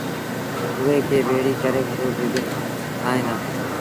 اُئي کي ڀيڙيٚ ڪري وڏو ڍڳ ٺائيٚݩ دآ۔